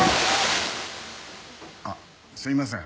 あっすいません